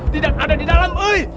tidak ada di dalam